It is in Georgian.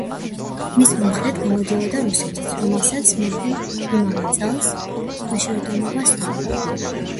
მის მომხრედ გამოდიოდა რუსეთიც, რომელსაც მეფემ იმავე წელს ქვეშევრდომობა სთხოვა.